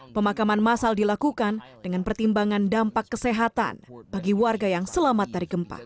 pemakaman masal dilakukan dengan pertimbangan dampak kesehatan bagi warga yang selamat dari gempa